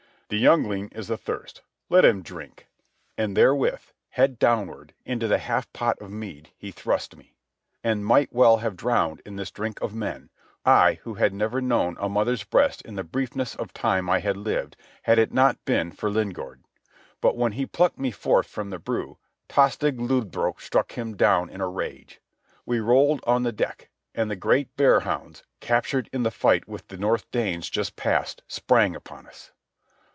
"The youngling is a thirst. Let him drink." And therewith, head downward, into the half pot of mead he thrust me. And might well have drowned in this drink of men—I who had never known a mother's breast in the briefness of time I had lived—had it not been for Lingaard. But when he plucked me forth from the brew, Tostig Lodbrog struck him down in a rage. We rolled on the deck, and the great bear hounds, captured in the fight with the North Danes just past, sprang upon us.